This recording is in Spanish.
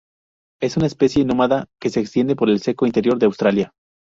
Es una especie nómada que se extiende por el seco interior de Australia.